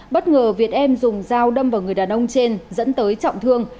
bất ngờ việt em dùng dao đâm vào người đàn ông trên dẫn tới trọng thương